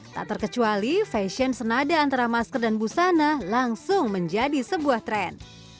tak terkecuali fashion senada antara masker dan busana langsung menjadi sebuah tren